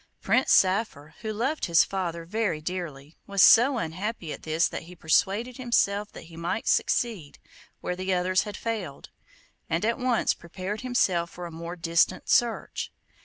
Prince Saphir, who loved his father very dearly, was so unhappy at this that he persuaded himself that he might succeed where the others had failed, and at once prepared himself for a more distant search.